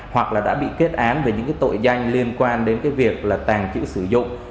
hoặc đã bị kết án về những tội danh liên quan đến việc tàn trữ sử dụng